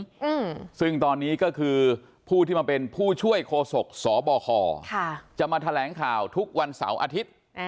อืมซึ่งตอนนี้ก็คือผู้ที่มาเป็นผู้ช่วยโคศกสบคค่ะจะมาแถลงข่าวทุกวันเสาร์อาทิตย์